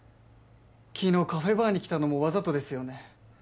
昨日カフェバーに来たのもわざとですよね？